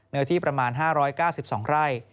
เนื้อที่ประมาณ๕๙๒ไร่